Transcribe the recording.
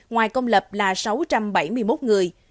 ngoài công lập là sáu trăm bảy mươi một người